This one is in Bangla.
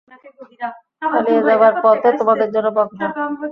পালিয়ে যাবার পথও তোমাদের জন্য বন্ধ।